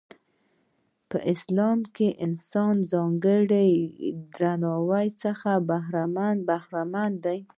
په اسلام کې انسان ځانګړي درناوي څخه برخمن دی.